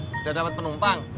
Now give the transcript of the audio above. udah dapet penumpang